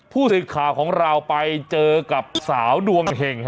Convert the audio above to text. ผู้สิทธิ์ข่าวของเราไปเจอกับสาวดวงแห่งฮะ